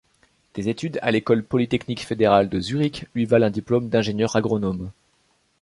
Des études à l'École polytechnique fédérale de Zurich lui valent un diplôme d'ingénieur agronome.